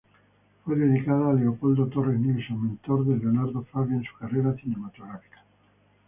Fue dedicada a Leopoldo Torre Nilsson, mentor de Leonardo Favio en su carrera cinematográfica.